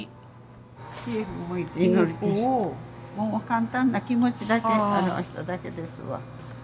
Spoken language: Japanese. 簡単な気持ちだけ表しただけですわ。